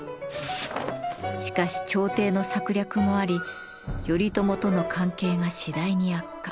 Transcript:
しかし朝廷の策略もあり頼朝との関係が次第に悪化。